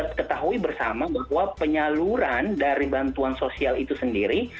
kita ketahui bersama bahwa penyaluran dari bantuan sosial itu sendiri